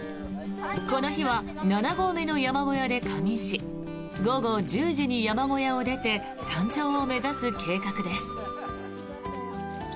この日は七合目の山小屋で仮眠し午後１０時に山小屋を出て山頂を目指す計画です。